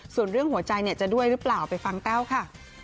ส่วนเรื่องหัวใจจะด้วยหรือเปล่าไปฟังแต้วค่ะ